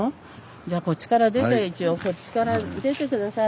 じゃあこっちから出て一応こっちから出て下さい。